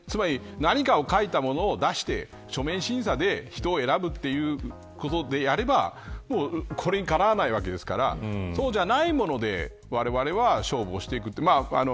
何かを書いたものを出して書面審査で人を選ぶということであればこれにかなわないわけなのでそうじゃないものでわれわれは勝負していく。